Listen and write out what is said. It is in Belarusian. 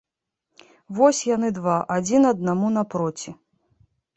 Вось яны два, адзін аднаму напроці.